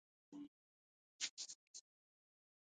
د کرفس پاڼې د وزن د کمولو لپاره وکاروئ